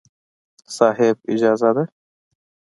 صاحب! اجازه ده.